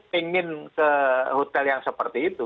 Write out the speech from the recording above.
ingin ke hotel yang seperti itu